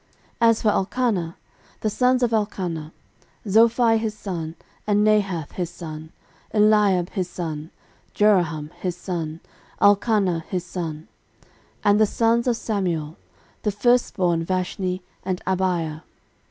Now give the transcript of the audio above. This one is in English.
13:006:026 As for Elkanah: the sons of Elkanah; Zophai his son, and Nahath his son, 13:006:027 Eliab his son, Jeroham his son, Elkanah his son. 13:006:028 And the sons of Samuel; the firstborn Vashni, and Abiah.